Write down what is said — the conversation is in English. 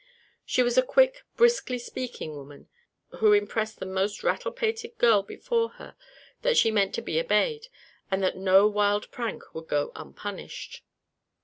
She was a quick, briskly speaking woman, who impressed the most rattle pated girl before her that she meant to be obeyed and that no wild prank would go unpunished.